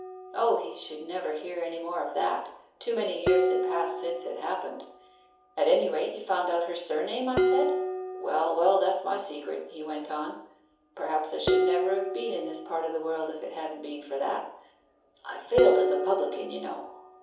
O, he should never hear any more of that! too many years had passed since it happened. "At any rate, you found out her surname?" I said. "Well, well, that's my secret," he went on. "Perhaps I should never have been in this part of the world if it hadn't been for that. I failed as a publican, you know."